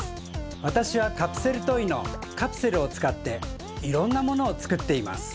わたしはカプセルトイのカプセルをつかっていろんなものをつくっています。